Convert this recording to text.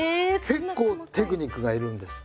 結構テクニックがいるんです。